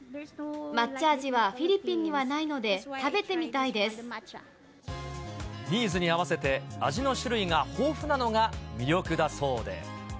抹茶味はフィリピンにはないので、ニーズに合わせて、味の種類が豊富なのが魅力だそうで。